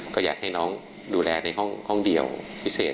ก็อยากให้น้องดูแลในห้องเดียวพิเศษ